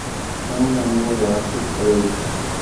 Fue un amigo de Arthur Preuss.